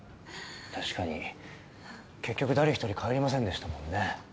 確かに結局誰ひとり帰りませんでしたもんね。